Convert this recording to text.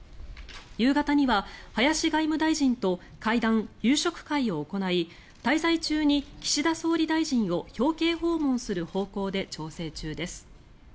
夕方には林外務大臣と会談、夕食会を行い滞在中に岸田総理大臣を表敬訪問する方向で調整中です。